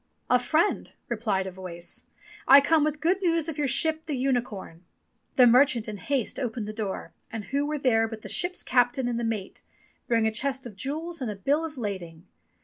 "A friend," replied a voice. "I come with good news of your ship the Unicorn.^' The merchant in haste opened the door, and who were there but the ship's captain and the mate, bearing a chest of jewels and a bill of lading.